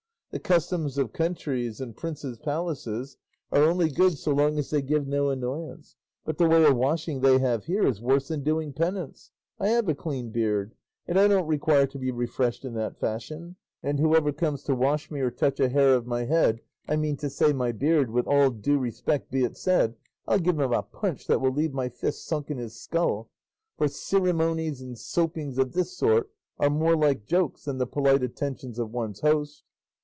The customs of countries and princes' palaces are only good so long as they give no annoyance; but the way of washing they have here is worse than doing penance. I have a clean beard, and I don't require to be refreshed in that fashion, and whoever comes to wash me or touch a hair of my head, I mean to say my beard, with all due respect be it said, I'll give him a punch that will leave my fist sunk in his skull; for cirimonies and soapings of this sort are more like jokes than the polite attentions of one's host."